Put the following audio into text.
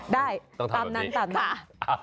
ได้ตามนั้นตามนั้น